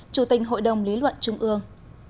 chủ tình hội đồng lý luận trung ương